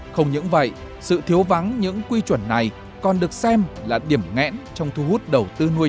không những vậy sự thiếu vắng những quy chuẩn này còn được xem là điểm ngẽn trong thu hút đầu tư nuôi